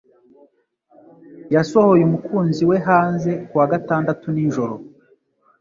yasohoye umukunzi we hanze kuwa gatandatu nijoro